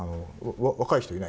若い人いないから。